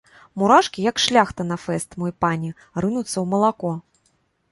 Мурашкі, як шляхта на фэст, мой пане, рынуцца ў малако.